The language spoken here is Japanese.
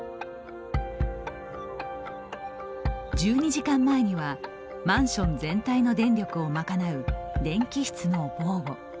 １２時間前にはマンション全体の電力を賄う電気室の防護。